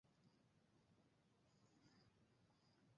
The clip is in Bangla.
এই ধারণাটি বাস্তব-বিশ্ব পর্যবেক্ষণের ক্ষেত্রে প্রয়োগ করা যেতে পারে।